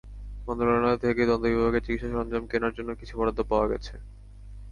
মন্ত্রণালয় থেকে দন্ত বিভাগের চিকিৎসা সরঞ্জাম কেনার জন্য কিছু বরাদ্দ পাওয়া গেছে।